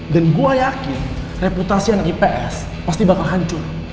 dan gue yakin reputasi anak ips pasti bakal hancur